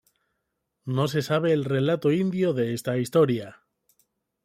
No se sabe el relato indio de esta historia.